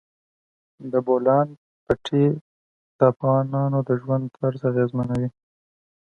د بولان پټي د افغانانو د ژوند طرز اغېزمنوي.